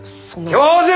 教授！